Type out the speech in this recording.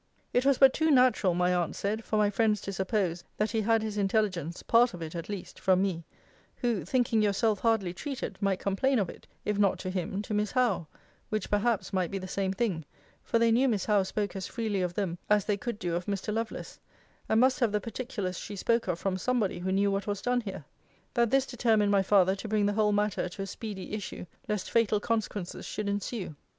It was but too natural, my aunt said, for my friends to suppose that he had his intelligence (part of it at least) from me; who, thinking yourself hardly treated, might complain of it, if not to him, to Miss Howe; which, perhaps, might be the same thing; for they knew Miss Howe spoke as freely of them, as they could do of Mr. Lovelace; and must have the particulars she spoke of from somebody who knew what was done here. That this determined my father to bring the whole matter to a speedy issue, lest fatal consequences should ensue.